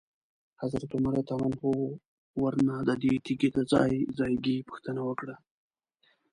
حضرت عمر رضی الله عنه ورنه ددې تیږي د ځای ځایګي پوښتنه وکړه.